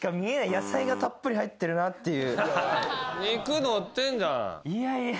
野菜がたっぷり入ってるなっていう。